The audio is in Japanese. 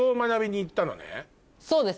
そうです